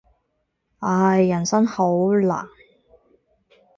唉，人生好難。